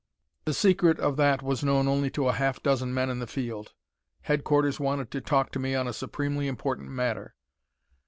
The secret of that was known only to a half dozen men in the field. Headquarters wanted to talk to me on a supremely important matter.